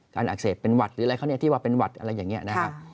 อักเสบเป็นหวัดหรืออะไรเขาเนี่ยที่ว่าเป็นหวัดอะไรอย่างนี้นะครับ